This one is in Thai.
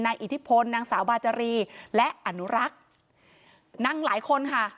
อิทธิพลนางสาวบาจารีและอนุรักษ์นั่งหลายคนค่ะ